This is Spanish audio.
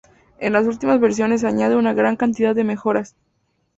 En las ultimas versiones añade una gran cantidad de mejoras.